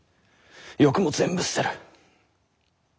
欲も全部捨てる。